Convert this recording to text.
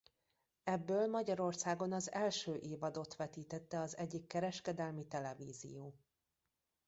Ebből Magyarországon az első évadot vetítette az egyik kereskedelmi televízió.